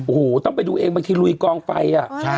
โอ้โหต้องไปดูเองบางทีลุยกล้องไฟอ่ะใช่